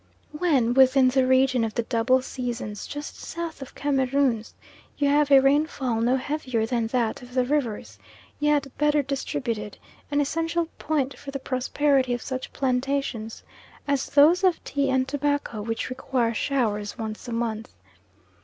When within the region of the double seasons just south of Cameroons you have a rainfall no heavier than that of the Rivers, yet better distributed, an essential point for the prosperity of such plantations as those of tea and tobacco, which require showers once a month.